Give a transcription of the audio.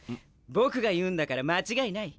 僕が言うんだから間違いない。